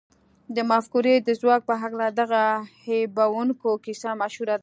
د مفکورې د ځواک په هکله دغه هيښوونکې کيسه مشهوره ده.